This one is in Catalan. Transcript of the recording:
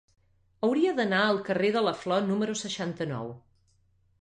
Hauria d'anar al carrer de la Flor número seixanta-nou.